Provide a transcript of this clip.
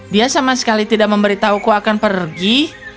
dia sama sekali tidak memberitahuku akan pergi